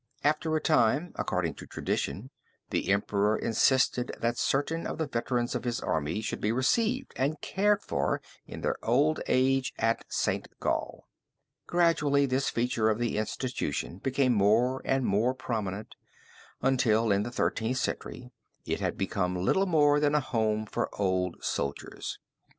After a time according to tradition, the emperor insisted that certain of the veterans of his army should be received and cared for in their old age at St. Gall. Gradually this feature of the institution became more and more prominent until in the Thirteenth Century it had become little more than a home for old soldiers.